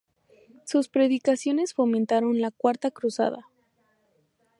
Sus predicaciones fomentaron la Cuarta Cruzada.